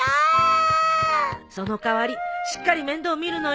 その代わりしっかり面倒見るのよ。